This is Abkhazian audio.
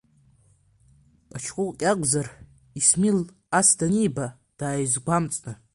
Паҷкәыкә иакәзар, Исмил ас даниба дааизгәамҵны…